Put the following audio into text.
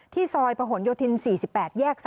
ซอยประหลโยธิน๔๘แยก๓